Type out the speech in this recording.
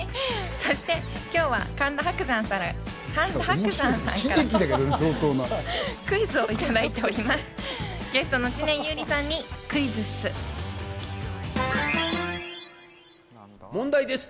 そして今日は神田伯山さんからクイズをいただいております。